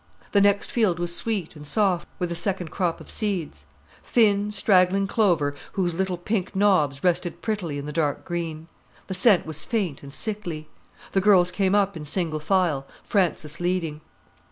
The next field was sweet and soft with a second crop of seeds; thin, straggling clover whose little pink knobs rested prettily in the dark green. The scent was faint and sickly. The girls came up in single file, Frances leading.